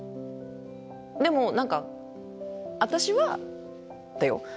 でも何か私はだよ。